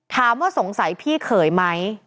ถามว่าสงสัยพี่เขยไหม